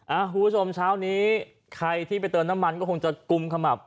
คุณผู้ชมเช้านี้ใครที่ไปเติมน้ำมันก็คงจะกุมขมับ